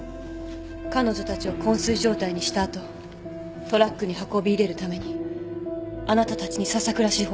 彼女たちを昏睡状態にした後トラックに運び入れるためにあなたたちに笹倉志帆を捜させた。